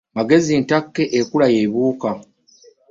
Magezi ntakke ekula y'ebuuka.